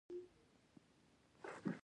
ما ورته امتیاز ورکړی او ستونزه پکې نشته